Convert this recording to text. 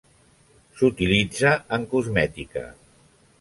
S'utilitza en cosmètica.